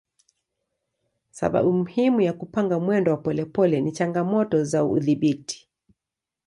Sababu muhimu ya kupanga mwendo wa polepole ni changamoto za udhibiti.